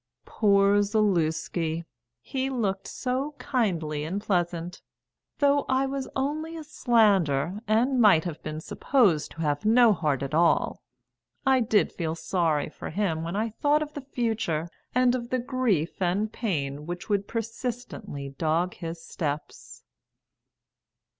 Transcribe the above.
Poor Zaluski! He looked so kindly and pleasant. Though I was only a slander, and might have been supposed to have no heart at all, I did feel sorry for him when I thought of the future and of the grief and pain which would persistently dog his steps.